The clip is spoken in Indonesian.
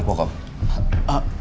aku mau ke rumah